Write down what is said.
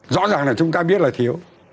rõ ràng là chúng ta biết là thiếu